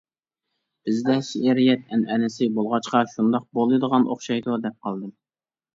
بىزدە شېئىرىيەت ئەنئەنىسى بولغاچقا شۇنداق بولىدىغان ئوخشايدۇ، دەپ قالدىم.